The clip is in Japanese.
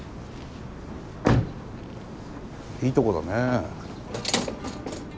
いいとこだね。